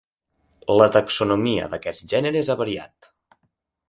La taxonomia d'aquests gèneres ha variat.